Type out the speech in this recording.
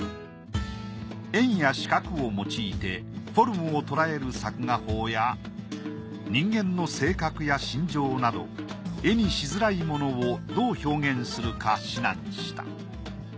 円や四角を用いてフォルムを捉える作画法や人間の性格や心情など絵にしづらいものをどう表現するか指南した。